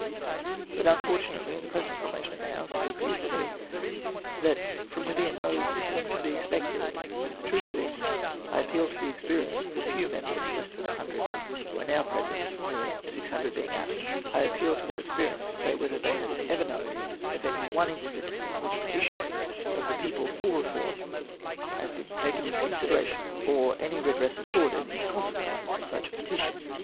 But, unfortunately, in the present formation of the House, it appears to me that from within no reform can be expected, and for the truth of this I appeal to the experience of the few members, less than a hundred, who are now present, nearly six hundred being absent; I appeal to their experience to say whether they have ever known of any one instance in which a petition of the people for reform has been taken into consideration, or any redress afforded in consequence of such a petition?